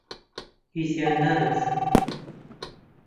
هیچیان ناناسم.